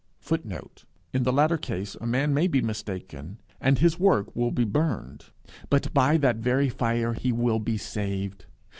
[Footnote: In the latter case a man may be mistaken, and his work will be burned, but by that very fire he will be saved.